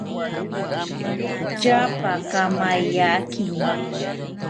Tyapa kamaiyakini